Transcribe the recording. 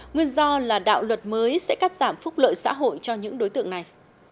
nguyên do là đạo luật mới sẽ cắt giảm phúc lợi xã hội cho những đối tượng này